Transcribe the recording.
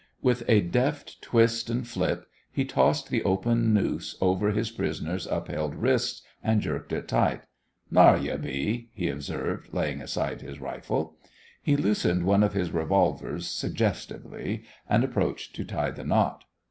With a deft twist and flip he tossed the open noose over his prisoner's upheld wrists and jerked it tight. "Thar you be," he observed, laying aside his rifle. He loosened one of his revolvers suggestively and approached to tie the knot.